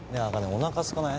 おなかすかない？